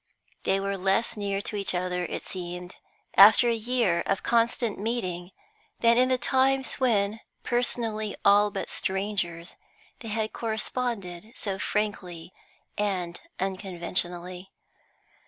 They were less near to each other, it seemed, after a year of constant meeting, than in the times when, personally all but strangers, they had corresponded so frankly and unconventionally.